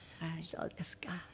そうですか。